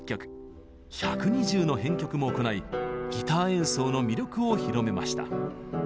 １２０の編曲も行いギター演奏の魅力を広めました。